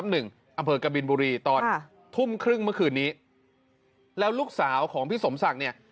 อำเภอกบินบุรีตอนทุ่มครึ่งเมื่อคืนนี้แล้วลูกสาวของพี่สมศักดิ์เนี่ย